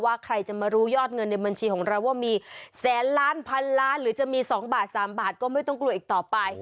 ใครจะมารู้ยอดเงินในบัญชีของเราว่ามีแสนล้านพันล้านหรือจะมี๒บาท๓บาทก็ไม่ต้องกลัวอีกต่อไป